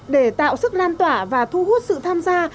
để tạo sức lan tỏa và thu hút sự tham gia